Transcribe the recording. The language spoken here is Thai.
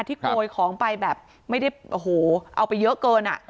โกยของไปแบบไม่ได้โอ้โหเอาไปเยอะเกินอ่ะ